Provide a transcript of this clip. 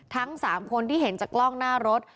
ทั้ง๓คนที่เห็นจากกล้องหน้ารถ